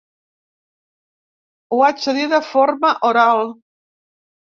Ho vaig dir de forma oral.